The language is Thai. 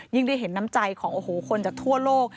ยิ่งได้เห็นน้ำใจของคนจากทั่วโลก